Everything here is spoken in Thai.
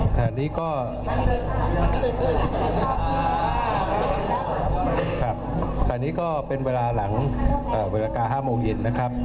ครับคราวนี้ก็เป็นเวลาหลังเอ่อเวลากา๕โมงเย็นนะครับ